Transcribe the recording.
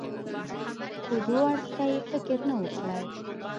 خو دو اړخ ته يې فکر نه و کړى.